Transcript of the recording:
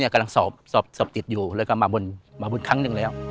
กำลังสอบติดอยู่แล้วก็มาบุญครั้งหนึ่งแล้ว